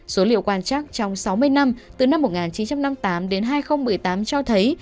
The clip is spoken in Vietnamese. số liệu quan trắc trong sáu mươi năm từ năm một nghìn chín trăm năm mươi tám đến hai nghìn một mươi tám cho thấy